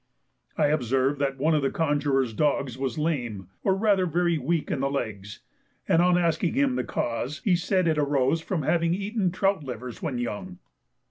I observed that one of the conjuror's dogs was lame, or rather very weak in the legs, and on asking him the cause, he said that it arose from having eaten trout livers when young.